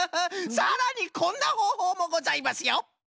さらにこんなほうほうもございますよ。